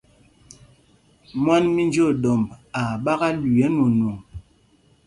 Mwán mí Njǒɗɔmb aa ɓākā lüii ɛ́nwɔɔnwɔŋ.